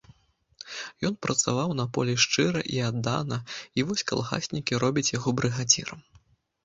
Ён працаваў на полі шчыра і аддана, і вось калгаснікі робяць яго брыгадзірам.